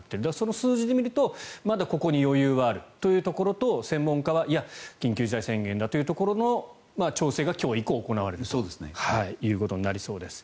数字で見るとまだここに余裕はあるというところと専門家はいや、緊急事態宣言だというところの調整が今日以降、行われるということになりそうです。